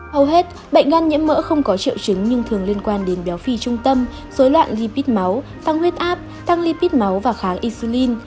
hầu hết bệnh gan nhiễm mỡ không có triệu chứng nhưng thường liên quan đến béo phi trung tâm dối loạn lipid máu tăng huyết áp tăng lipid máu và kháng isulin